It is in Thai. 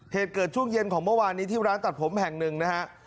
เหตุเกิดช่วงเย็นของเมื่อวานนี้ที่ร้านตัดผมแห่งหนึ่งนะฮะ